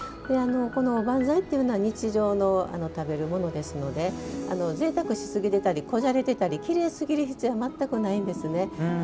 おばんざいというのは日常の食べるものですのでぜいたくしすぎたりこじゃれていたりきれいすぎる必要は全くないんですね。